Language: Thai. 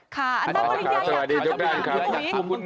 สวัสดีทุกคน